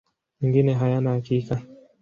Mengine hayana hakika.